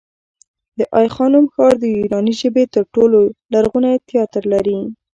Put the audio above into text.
د آی خانم ښار د یوناني ژبې تر ټولو لرغونی تیاتر لري